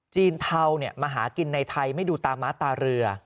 จีนเทาเนี่ยมาหากินในไทยไม่ดูตาม้าตาเรือ